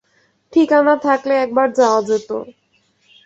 ঠিকানা থাকলে একবার যাওয়া যেত।